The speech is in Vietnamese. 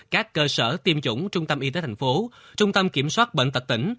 các cơ sở tiêm chủng trung tâm y tế thành phố trung tâm kiểm soát bệnh tật tỉnh